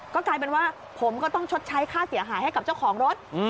ก็กลายเป็นว่าผมก็ต้องชดใช้ค่าเสียหายให้กับเจ้าของรถ